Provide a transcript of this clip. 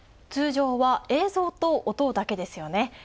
通常は映像と音だけですよね。